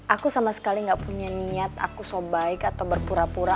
aku sama sekali gak punya niat aku sobaik atau berpura pura